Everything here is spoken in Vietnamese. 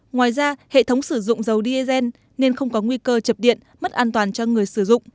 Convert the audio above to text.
ngoài ra hệ thống sử dụng dầu diesel nên không có nguy cơ chập điện mất an toàn cho người sử dụng